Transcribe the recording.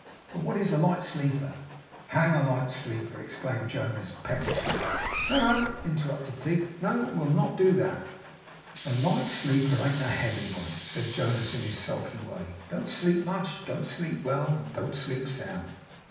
But what is a light sleeper?' 'Hang a light sleeper!' exclaimed Jonas pettishly. 'No, no,' interrupted Tigg. 'No. We'll not do that.' 'A light sleeper ain't a heavy one,' said Jonas in his sulky way; 'don't sleep much, and don't sleep well, and don't sleep sound.